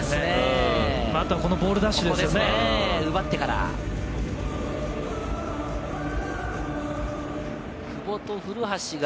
あとはこのボール奪取で奪ってから、久保と古橋が。